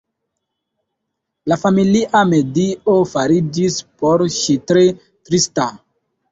La familia medio fariĝis por ŝi tre trista.